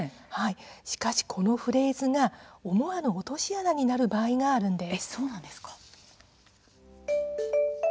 しかし、このフレーズが思わぬ落とし穴になることがあるんです。